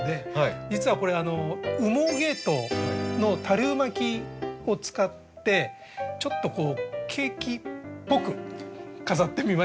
実はこれ羽毛ケイトウの多粒まきを使ってちょっとケーキっぽく飾ってみました。